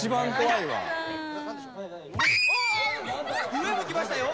「上向きましたよ。